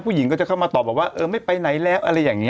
ผู้หญิงก็จะเข้ามาตอบว่าไม่ไปไหนแล้ว